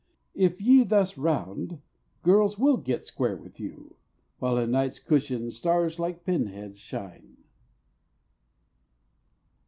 If ye thus round, girls will get square with you, While in Night's cushion stars like pin heads shine."